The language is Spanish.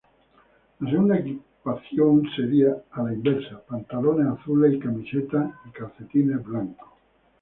La segunda equipación sería a la inversa: pantalones azules y camiseta y calcetines blancos.